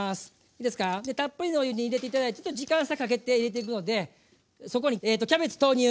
いいですかたっぷりのお湯に入れて頂いてちょっと時間差かけて入れていくのでそこにキャベツ投入！